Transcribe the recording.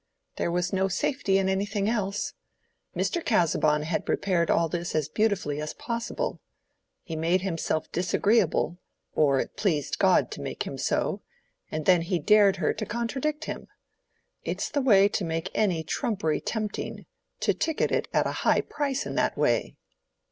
There was no safety in anything else. Mr. Casaubon had prepared all this as beautifully as possible. He made himself disagreeable—or it pleased God to make him so—and then he dared her to contradict him. It's the way to make any trumpery tempting, to ticket it at a high price in that way."